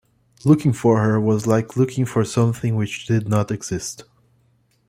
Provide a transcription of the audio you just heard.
Looking for her was like looking for something which did not exist.